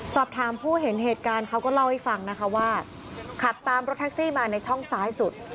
สอบถามผู้เห็นเหตุการณ์เขาก็เล่าให้ฟังนะคะว่าขับตามรถแท็กซี่มาในช่องซ้ายสุด